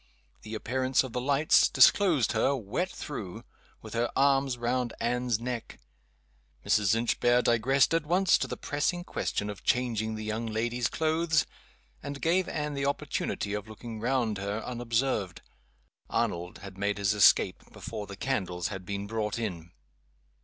The appearance of the lights disclosed her, wet through with her arms round Anne's neck. Mrs. Inchbare digressed at once to the pressing question of changing the young lady's clothes, and gave Anne the opportunity of looking round her, unobserved. Arnold had made his escape before the candles had been brought in.